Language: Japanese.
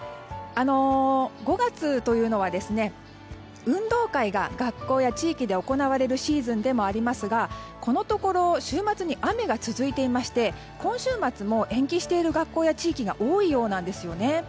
５月というのは、運動会が学校や地域で行われるシーズンでもありますがこのところ、週末に雨が続いていて今週末も延期している学校や地域が多いようなんですね。